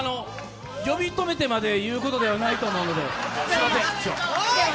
呼び止めてまで言うことではないと思うので、すいません。